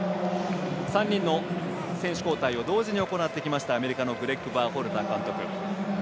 ３人の選手交代を同時に行ってきたアメリカのグレッグ・バーホルター監督。